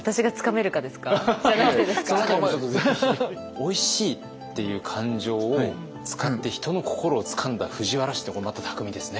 おいしいっていう感情を使って人の心をつかんだ藤原氏ってまた巧みですね。